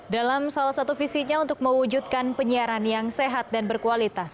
dalam salah satu visinya untuk mewujudkan penyiaran yang sehat dan berkualitas